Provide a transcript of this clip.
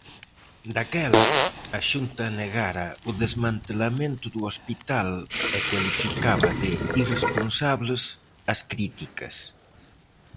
Daquela, a Xunta negara o "desmantelamento" do hospital e cualificaba de "irresponsables" as críticas.